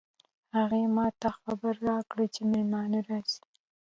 هغې ما ته خبر راکړ چې مېلمانه راځي